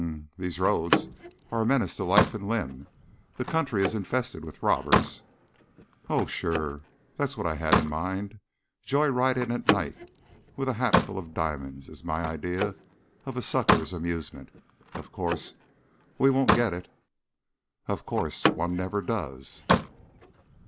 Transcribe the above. "Um m! These roads are a menace to life and limb; the country is infested with robbers " "Oh, sure! That's what I had in mind. Joy ridin' at night with a hatful of diamonds is my idea of a sucker's amusement. Of course, we won't 'get it' " "Of course! One never does."